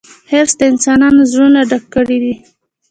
حرص د انسانانو زړونه ډک کړي دي.